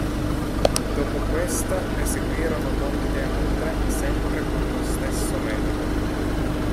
Dopo questa ne seguirono molte altre sempre con lo stesso metodo.